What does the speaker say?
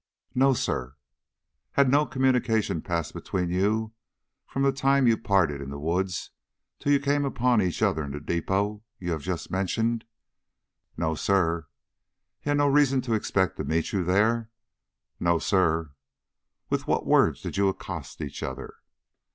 "No, sir." "Had no communication passed between you from the time you parted in the woods till you came upon each other in the depôt you have just mentioned?" "No, sir." "Had he no reason to expect to meet you there?" "No, sir." "With what words did you accost each other?"